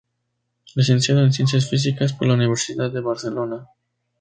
Licenciado en Ciencias físicas por la Universidad de Barcelona.